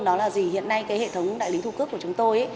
đó là gì hiện nay cái hệ thống đại lý thu cước của chúng tôi